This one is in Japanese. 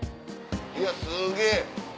いやすげぇ。